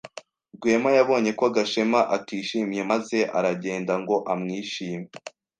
Rwema yabonye ko Gashema atishimye maze aragenda ngo amwishime.